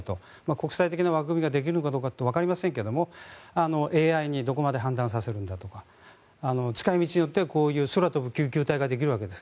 国際的な枠組みができるのかわかりませんがＡＩにどこまで判断させるのかとか使い道によってはこういう空飛ぶ救急隊ができるわけです。